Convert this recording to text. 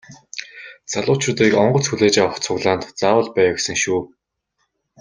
Залуучуудыг онгоц хүлээж авах цуглаанд заавал бай гэсэн шүү.